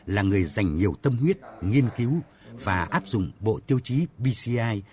là người dành nhiều tâm huyết nghiên cứu và áp dụng bộ tiêu chí bci